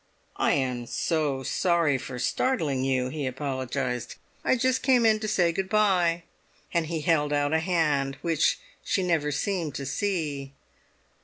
"I'm so sorry for starting you," he apologised. "I just came in to say goodbye." And he held out a hand which she never seemed to see.